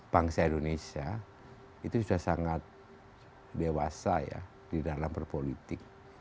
bangsa indonesia itu sudah sangat dewasa ya di dalam berpolitik